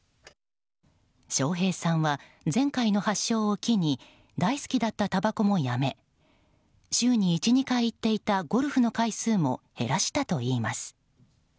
笑瓶さんは、前回の発症を機に大好きだった、たばこもやめ週に１２回行っていたゴルフの回数も減らしたといいます。